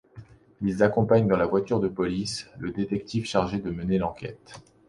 Ils accompagnent dans la voiture de police, le détective chargé de mener l'enquête.